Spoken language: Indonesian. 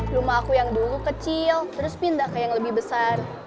rumah aku yang dulu kecil terus pindah ke yang lebih besar